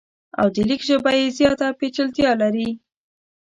او د لیک ژبه یې زیاته پیچلتیا لري.